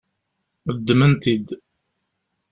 Ddmen-t-id.